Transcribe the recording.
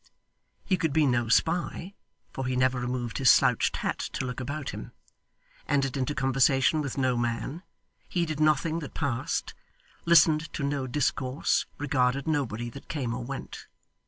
He could be no spy, for he never removed his slouched hat to look about him, entered into conversation with no man, heeded nothing that passed, listened to no discourse, regarded nobody that came or went.